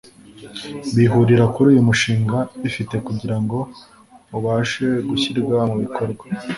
bihurira kuri uyu mushinga bifite kugira ngo ubashe gushyirwa mu bikorwa